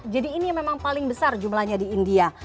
jadi ini memang paling besar jumlahnya di india